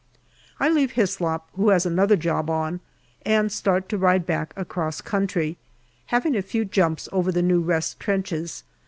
I leave Hyslop, who has another job on, and start to ride back across country, having a few jumps over the new rest trenches.